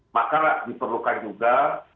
maka diperlukan juga